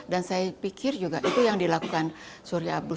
dan saya pikir juga itu yang dilakukan surya abdul